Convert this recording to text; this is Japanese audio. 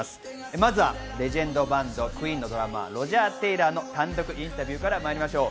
まずはレジェンドバンドＱＵＥＥＮのドラマー、ロジャー・テイラーの単独インタビューからまいりましょう。